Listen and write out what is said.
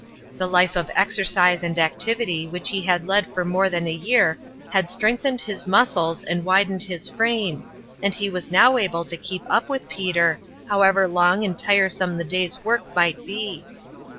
The life of exercise and activity which he had led for more than a year had strengthened his muscles and widened his frame, and he was now able to keep up with Peter, however long and tiresome the day's work might be.